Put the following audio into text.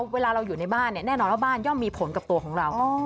เวลาเราอยู่ในบ้านแน่นอนว่าบ้านย่อมมีผลกับตัวของเรา